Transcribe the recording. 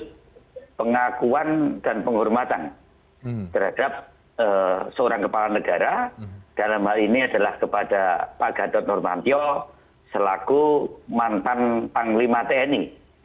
jadi pengakuan dan penghormatan terhadap seorang kepala negara dalam hal ini adalah kepada pak gatot normantio selaku mantan panglima tni